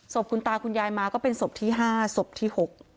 ศพคุณตาคุณยายมาก็เป็นศพที่๕ศพที่๖